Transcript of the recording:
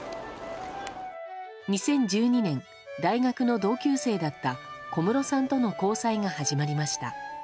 ２０１２年、大学の同級生だった小室さんとの交際が始まりました。